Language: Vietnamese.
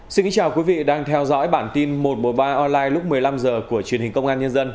xin kính chào quý vị đang theo dõi bản tin một trăm một mươi ba online lúc một mươi năm h của truyền hình công an nhân dân